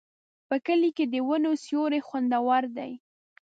په کلي کې د ونو سیوري خوندور دي.